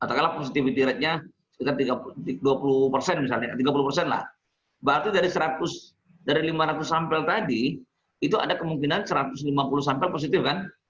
nah tiga puluh persen di lima puluh sana positif